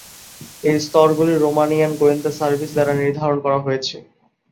এই স্তরগুলি রোমানিয়ান গোয়েন্দা সার্ভিস দ্বারা নির্ধারণ করা হয়েছে।